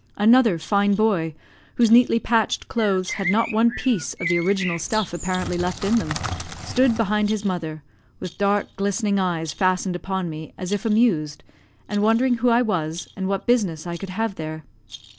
Another fine boy, whose neatly patched clothes had not one piece of the original stuff apparently left in them, stood behind his mother, with dark, glistening eyes fastened upon me, as if amused, and wondering who I was, and what business I could have there.